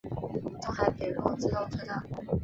东海北陆自动车道。